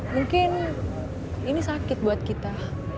mungkin ini sakit buat kita